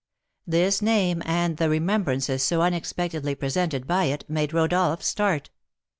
This name, and the remembrances so unexpectedly presented by it, made Rodolph start.